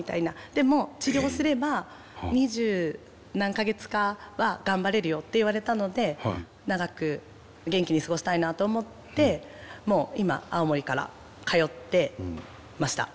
でも治療すれば二十何か月かは頑張れるよって言われたので長く元気に過ごしたいなと思ってもう今青森から通ってました。